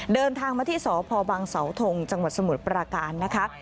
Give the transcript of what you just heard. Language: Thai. เดินทางมาที่สพบังเสาทงจังหวัดสมุทรปราการนะคะ